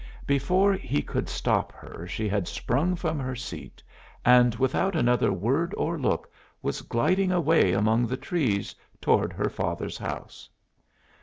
Before he could stop her she had sprung from her seat and without another word or look was gliding away among the trees toward her father's house.